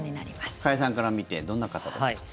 加谷さんから見てどんな方ですか？